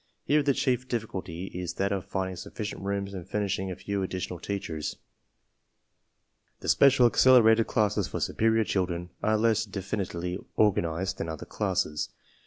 Here the chief difficulty is that of finding sufficient rooms and furnishing a few additional teachers. The special accelerated classes for superior children are less definitely organized than other classes.